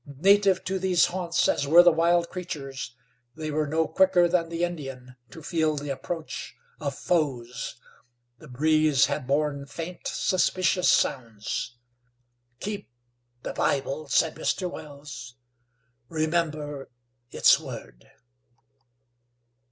Native to these haunts as were the wild creatures, they were no quicker than the Indian to feel the approach of foes. The breeze had borne faint, suspicious sounds. "Keep the Bible," said Mr. Wells, "remember its word."